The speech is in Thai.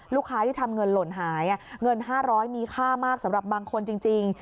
ลูกค้าที่ทำเงินหล่นหายเงิน๕๐๐มีค่ามากสำหรับบางคนจริง